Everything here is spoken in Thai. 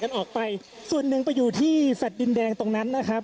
กันออกไปส่วนหนึ่งไปอยู่ที่สัตว์ดินแดงตรงนั้นนะครับ